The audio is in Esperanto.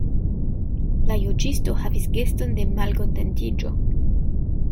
La juĝisto havis geston de malkontentiĝo.